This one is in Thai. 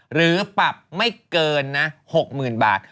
หรือปรับไม่เกิน๖หมื่นบาท